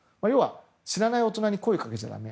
知らない大人に声をかけちゃだめ。